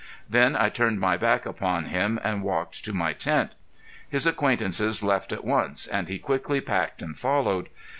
Then I turned my back upon him and walked to my tent. His acquaintances left at once, and he quickly packed and followed.